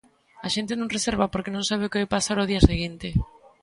A xente non reserva porque non sabe o que vai pasar ao día seguinte.